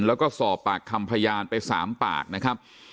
แล้วก็สอบปากคำพยานไป๓ปากนะครับ